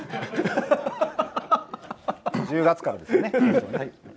１０月からですね。